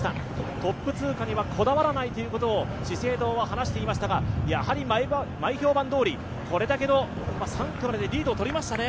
トップ通過にはこだわらないということを資生堂は話していましたが、やはり前評判通り、これだけの、３区でリードを取りましたね。